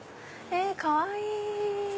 かわいい！